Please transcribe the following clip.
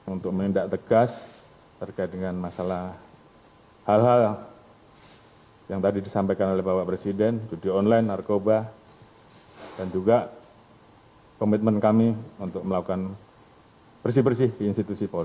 untuk menindak tegas terkait dengan masalah hal hal yang tadi disampaikan oleh bapak presiden judi online narkoba dan juga komitmen kami untuk melakukan bersih bersih di institusi polri